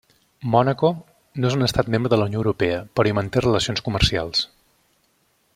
Mònaco no és un Estat membre de la Unió Europea però hi manté relacions comercials.